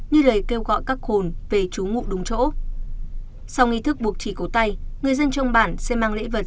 như lời kêu gọi các hồn về chú ngụ đúng chỗ sau nghi thức buộc chỉ cổ tay người dân trong bản sẽ mang lễ vật